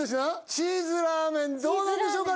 チーズラーメンどうなんでしょうか？